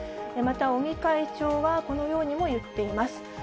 また尾身会長は、このようにも言っています。